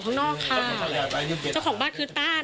ซึ่งไม่เกี่ยวอะไรกับเครื่องสำอางเลย